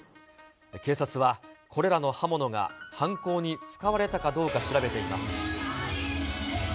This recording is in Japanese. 警察は、これらの刃物が犯行に使われたかどうか調べています。